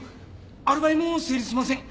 アリバイも成立しません！